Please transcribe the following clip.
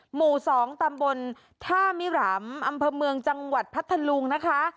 หมู่๒ตำบลท่ามิรามอำเภอเมืองจังหวัดพัทธลุงนะคะ